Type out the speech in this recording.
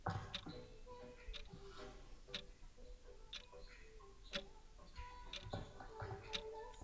当时蔡若莲亦担任政治立场亲建制的香港教育工作者联会副主席。